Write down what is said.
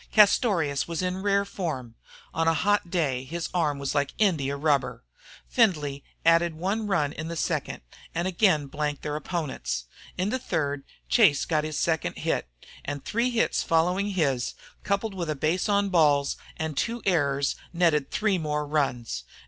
Castorious was in rare form; on a hot day his arm was like India rubber. Findlay added one run in the second and again blanked their opponents. In the third Chase got his second hit, and three hits following his, coupled with a base on balls and two errors, netted three more runs.